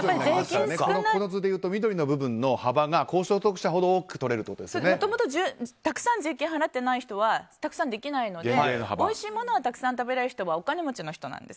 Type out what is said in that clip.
この図でいうと緑の部分の幅が高所得者ほどもともとたくさん税金払ってない人はたくさんできないのでおいしいものがたくさん食べられるのはお金持ちの人なんです。